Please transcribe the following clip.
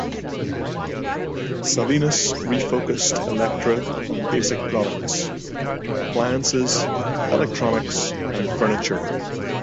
Salinas refocused Elektra on basic products: appliances, electronics, and furniture.